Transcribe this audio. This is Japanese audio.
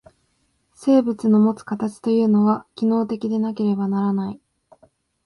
生物のもつ形というのは、機能的でなければならない。